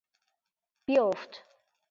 بیفت